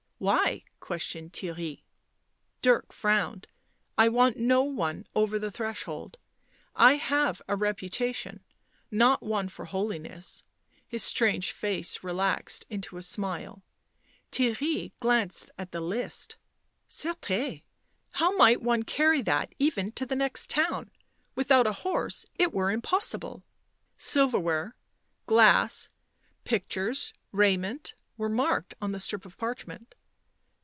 "Why?" questioned Theirry. Dirk frowned. " I want no one over the threshold. I have a reputation — not one for holiness," his strange face relaxed into a smile. Theirry glanced at the list. " Certes ! How might one carry that even to the next town ? Without a horse it were impossible." Silver ware, glass, pictures, raiment, were marked on the strip of parchment.